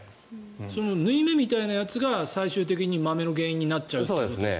その縫い目みたいなやつが最終的にまめの原因になっちゃうということですか。